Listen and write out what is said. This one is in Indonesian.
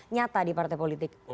nyata di partai politik